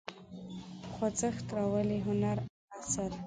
په خوځښت راولي هنري نثر.